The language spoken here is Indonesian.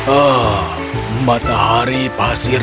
ah matahari pasir